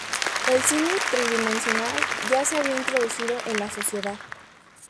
El cine tridimensional ya se había introducido en la sociedad.